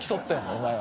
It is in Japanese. お前は。